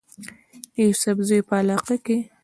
د يوسفزو پۀ علاقه کې